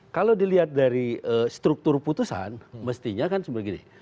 kalau dilihat dari struktur putusan mestinya seperti ini